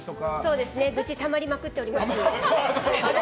そうですね愚痴たまりまくっております。